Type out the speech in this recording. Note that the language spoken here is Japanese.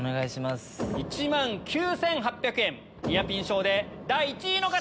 １万９８００円ニアピン賞で第１位の方！